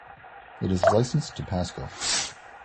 It is licensed to Pasco.